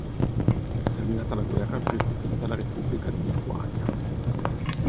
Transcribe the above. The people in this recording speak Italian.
Terminata la guerra, prese vita la Repubblica di Lituania.